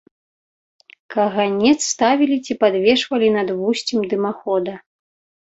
Каганец ставілі ці падвешвалі пад вусцем дымахода.